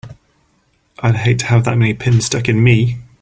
I'd hate to have that many pins stuck in me!